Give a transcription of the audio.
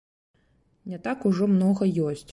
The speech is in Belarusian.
Не так ужо многа ёсць.